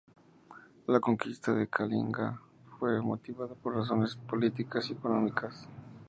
La conquista de Kalinga fue motivada por razones políticas y económicas.